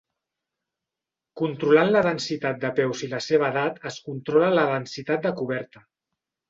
Controlant la densitat de peus i la seva edat es controla la densitat de coberta.